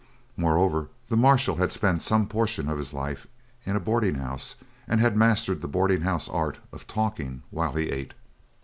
Moreover, the marshal had spent some portion of his life in a boarding house and had mastered the boarding house art of talking while he ate.